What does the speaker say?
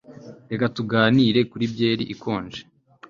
reka tuganire kuri byeri ikonje